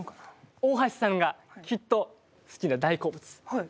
大橋さんがきっと好きな大好物。